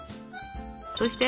そして？